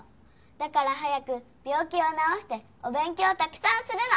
だから早く病気を治してお勉強たくさんするの。